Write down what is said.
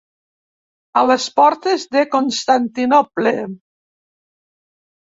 A les portes de Constantinoble.